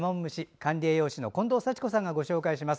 管理栄養士の近藤幸子さんがご紹介します。